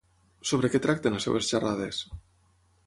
Sobre què tracten les seves xerrades?